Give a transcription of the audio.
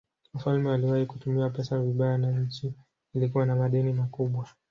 Wafalme waliwahi kutumia pesa vibaya na nchi ilikuwa na madeni makubwa.